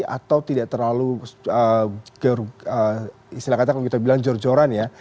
atau tidak terlalu silahkan kita bilang jor joran ya